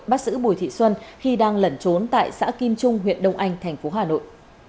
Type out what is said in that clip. bắt giữ bùi thị xuân khi đang lẩn trốn tại xã kim trung huyện đông anh thành phố hà nội